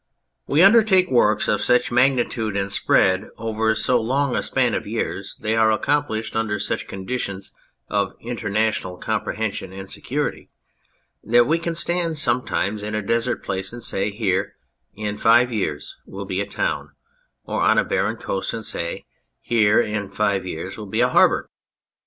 We undertake works of such magnitude and spread 258 The New Road over so long a span of years, they are accomplished under such conditions of international comprehension and security, that we can stand (sometimes) in a desert place and say, " Here, in five years, will be a town," or on a barren coast and say, " Here, in five years, will be a harbour."